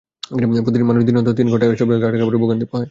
প্রতিদিন মানুষ দিনে অন্তত তিন ঘণ্টা এসব রেলগেটে আটকা পড়ে ভোগান্তি পোহায়।